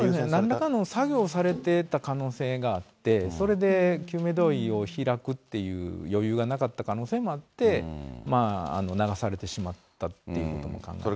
なんらかの作業されてた可能性があって、それで救命胴衣を開くという余裕がなかった可能性もあって、流されてしまったっていうことも考えられますね。